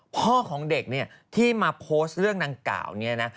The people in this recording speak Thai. พ่อของเด็กที่มาโพสต์เรื่องนางก่าวนี่นะ